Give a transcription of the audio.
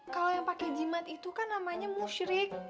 kalau yang pakai jimat itu kan namanya musyrik